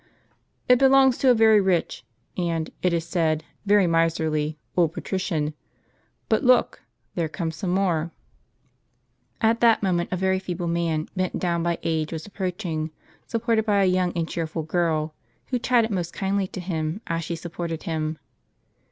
" It belongs to a very rich, and, it is said, very miserly old patrician. But look! there come some more." At that moment a very feeble man, bent down by age, was approaching, supported by a young and cheerful girl, who chatted most kindly to him as she supported him.